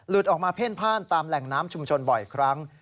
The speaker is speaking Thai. ออกมาเพ่นพ่านตามแหล่งน้ำชุมชนบ่อยครั้ง